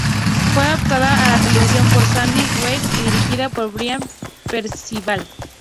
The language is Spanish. Fue adaptada a la televisión por Sandy Welch y dirigida por Brian Percival.